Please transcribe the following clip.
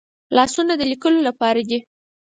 لاسونه د لیکلو لپاره دي